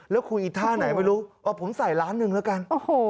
แล้วคุยอีกท่าไหนไม่รู้ผมใส่ล้านหนึ่งแล้วกันโอ้โห